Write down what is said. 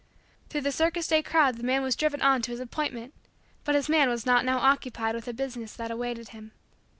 Through the circus day crowd the man was driven on to his appointment but his mind was not now occupied with the business that awaited him.